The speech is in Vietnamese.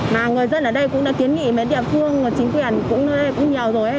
mà người dân ở đây cũng đã kiến nghị với địa phương chính quyền cũng ở đây cũng nhiều rồi